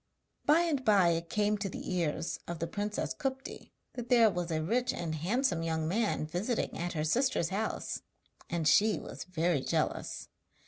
By and by it came to the ears of the princess Kupti that there was a rich and handsome young man visiting at her sister's house, and she was very jealous.